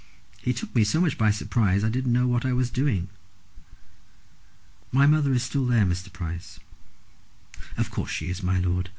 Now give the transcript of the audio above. He took me so much by surprise, I didn't know what I was doing." "My mother is still there, Mr. Price." "In course she is, my lord.